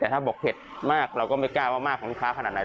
แต่ถ้าบอกเผ็ดมากเราก็ไม่กล้าว่ามากของลูกค้าขนาดไหน